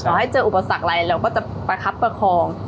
ให้เจออุปสรรคอะไรเราก็จะประคับประคอง